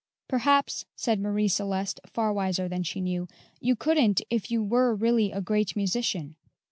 "Perhaps," said Marie Celeste, far wiser than she knew, "you couldn't if you were really a great musician."